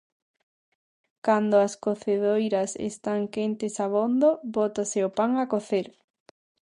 Cando as cocedoiras están quentes abondo, bótase o pan a cocer.